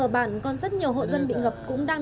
ở bản còn rất nhiều hộ dân bị ngập cũng đang